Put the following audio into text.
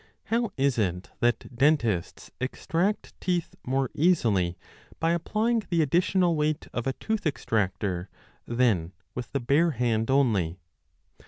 How is it that dentists extract teeth more easily by 21 applying the additional weight of a tooth extractor than with the bare hand only